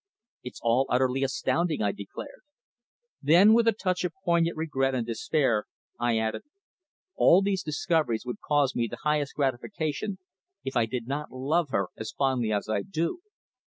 "It's all utterly astounding," I declared. Then, with a touch of poignant regret and despair, I added: "All these discoveries would cause me the highest gratification if I did not love her as fondly as I do."